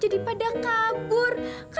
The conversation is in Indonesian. aduh aduh aduh